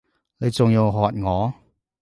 你仲要喝我！